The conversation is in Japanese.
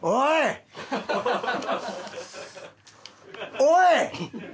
おい！